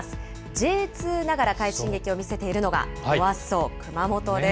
Ｊ２ながら快進撃を見せているのがロアッソ熊本です。